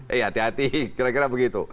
eh hati hati kira kira begitu